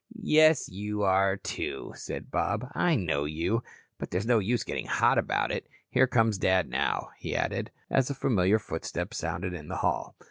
"Yes, you are, too," said Bob. "I know you. But there's no use getting hot about it. Here comes Dad now," he added, as a familiar footstep sounded in the hall.